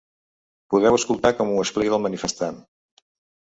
Podeu escoltar com ho explica el manifestant.